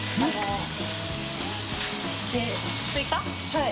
はい。